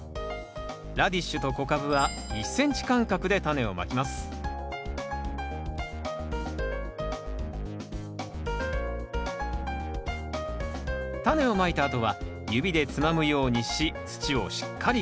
ラディッシュと小カブは１ｃｍ間隔でタネをまきますタネをまいたあとは指でつまむようにし土をしっかりかぶせます